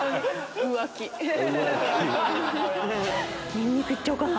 ニンニク行っちゃおうかな。